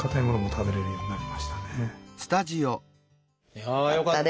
いやあよかった。